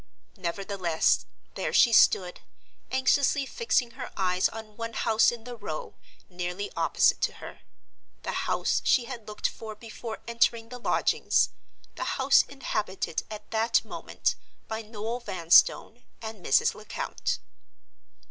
Nevertheless, there she stood, anxiously fixing her eyes on one house in the row, nearly opposite to her—the house she had looked for before entering the lodgings; the house inhabited at that moment by Noel Vanstone and Mrs. Lecount.